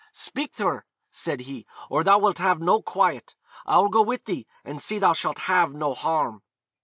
'Speak to her,' said he, 'or thou wilt have no quiet. I will go with thee, and see thou shalt have no harm.'